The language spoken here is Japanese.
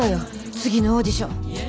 次のオーディション。